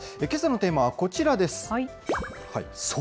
けさのテーマはこちらです。